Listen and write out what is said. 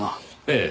ええ。